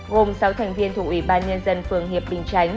gồm sáu thành viên thuộc ủy ban nhân dân phường hiệp bình chánh